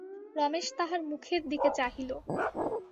রমেশ তাহার মুখের দিকে চাহিল।